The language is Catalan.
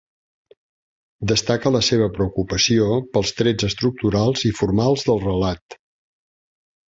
Destaca la seva preocupació pels trets estructurals i formals del relat.